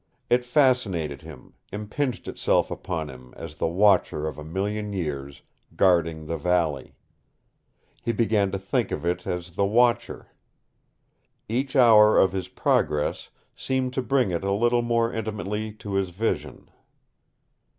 It fascinated him, impinged itself upon him as the watcher of a million years, guarding the valley. He began to think of it as the Watcher. Each hour of his progress seemed to bring it a little more intimately to his vision.